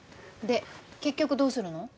で結局どうするの？